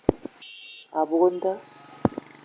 A buk nda.